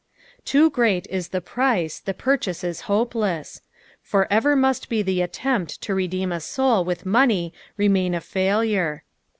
Too great is the price, the purchase is hopeless. For ever must the attempt to redeem a soul with money remain a failure.